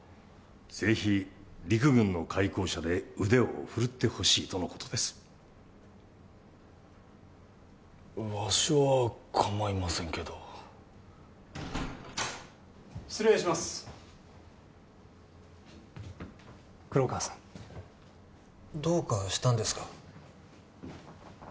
ぜひ陸軍の偕行社で腕を振るってほしいとのことですわしは構いませんけど失礼します黒川さんどうかしたんですか？